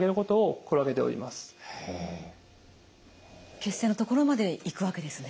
血栓の所まで行くわけですね。